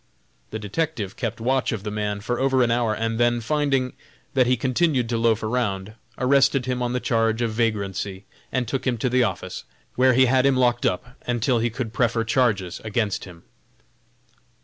The detective kept watch of the man for over an hour, and then, finding that he continued to loaf around, arrested him on the charge of vagrancy and took him to the office, where he had him locked up until he could prefer charges against him.